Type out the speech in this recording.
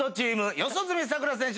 四十住さくら選手